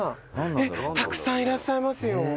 たくさんいらっしゃいますよ。